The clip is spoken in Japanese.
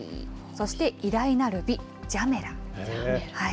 そして偉大なる美、ジャメラ。